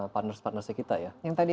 partners partnersnya kita ya yang tadi